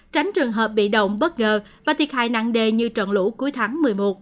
tránh trường hợp bị động bất ngờ và thiệt hại nặng đề như trận lũ cuối tháng một mươi một